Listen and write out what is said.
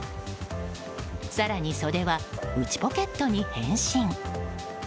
更に、袖は内ポケットに変身。